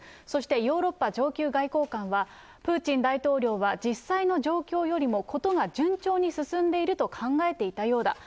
そしてヨーロッパ上級外交官は、プーチン大統領は実際の状況よりも、事が順調に進んでいると考えていたようだ。